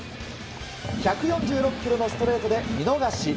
１４６キロのストレートで見逃し。